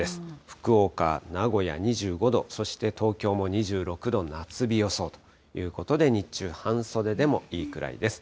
福岡、名古屋２５度、そして東京も２６度、夏日予想ということで、日中、半袖でもいいくらいです。